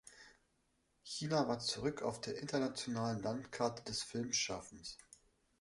China war zurück auf der internationalen Landkarte des Filmschaffens.